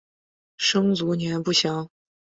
生卒年不详。